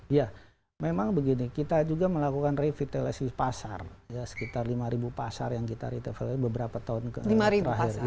iya memang begini kita juga melakukan revitalisasi pasar ya sekitar lima pasar yang kita retail beberapa tahun ke terakhir